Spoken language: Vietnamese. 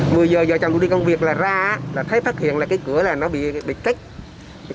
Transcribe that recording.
mười giờ giờ chàng tôi đi công việc là ra là thấy phát hiện là cái cửa là nó bị kích